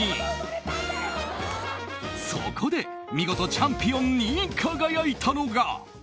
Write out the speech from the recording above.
そこで見事チャンピオンに輝いたのが。